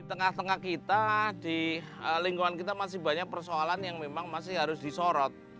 di tengah tengah kita di lingkungan kita masih banyak persoalan yang memang masih harus disorot